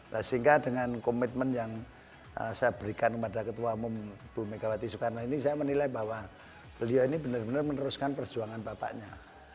nah sehingga dengan komitmen yang saya berikan kepada ketua umum bu megawati soekarno ini saya menilai bahwa beliau ini benar benar meneruskan perjuangan bapaknya